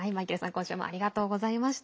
今週もありがとうございました。